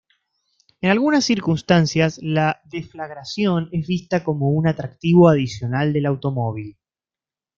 En algunas circunstancias la deflagración es vista como un atractivo adicional del automóvil.